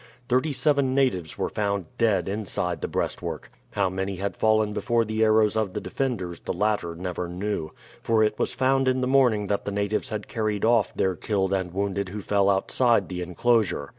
Thirty seven natives were found dead inside the breastwork. How many had fallen before the arrows of the defenders the latter never knew, for it was found in the morning that the natives had carried off their killed and wounded who fell outside the inclosure.